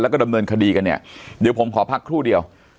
แล้วก็ดำเนินคดีกันเนี่ยเดี๋ยวผมขอพักครู่เดียว